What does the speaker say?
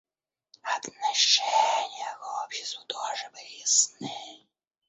Отношения к обществу тоже были ясны.